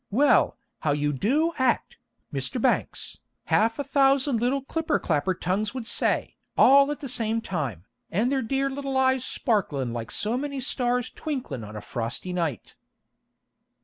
'Well, how you do act, Mr. Banks!' half a thousand little clipper clapper tongues would say, all at the same time, and their dear little eyes sparklin' like so many stars twinklin' of a frosty night.